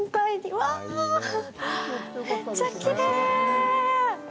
うわっ、めっちゃきれい。